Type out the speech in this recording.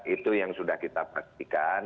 itu yang sudah kita pastikan